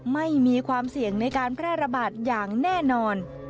ไม่มีความเสี่ยงในการแพร่ระบาดอย่างแน่นอน